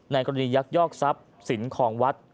กรณียักยอกทรัพย์สินของวัด